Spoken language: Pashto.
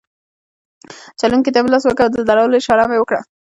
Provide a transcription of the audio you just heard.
چلونکي ته مې لاس ورکړ او د درولو اشاره مې وکړه.